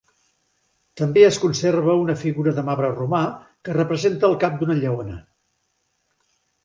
També es conserva una figura de marbre romà que representa el cap d'una lleona.